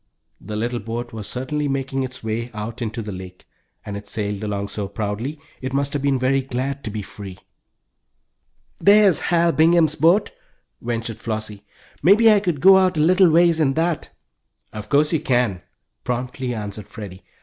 The little boat was certainly making its way out into the lake, and it sailed along so proudly, it must have been very glad to be free. "There's Hal Bingham's boat," ventured Flossie. "Maybe I could go out a little ways in that." "Of course you can," promptly answered Freddie.